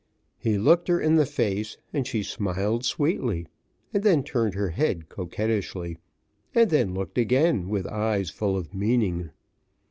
He looked her in the face, and she smiled sweetly, and then turned her head coquettishly, and then looked again with eyes full of meaning.